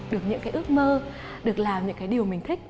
được những cái ước mơ được làm những cái điều mình thích